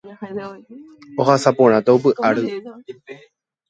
ohasaporãta upe ary